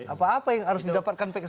apa apa yang harus didapatkan pks